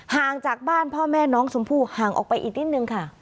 ห่างจากบ้านพ่อแม่น้องชมพู่ห่างออกไปอีกนิดนึงค่ะ